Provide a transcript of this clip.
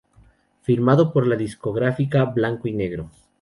Firmado por la discográfica Blanco y Negro.